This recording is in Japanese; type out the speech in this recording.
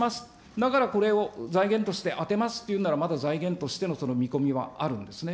だからこれを財源として充てますっていうなら、財源としてのその見込みはあるんですね。